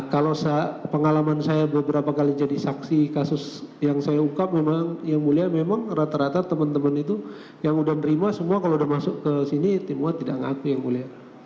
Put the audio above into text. kalau pengalaman saya beberapa kali jadi saksi kasus yang saya ungkap memang yang mulia memang rata rata teman teman itu yang udah nerima semua kalau udah masuk ke sini semua tidak mengakui yang mulia